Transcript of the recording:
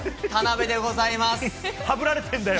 田辺でございます。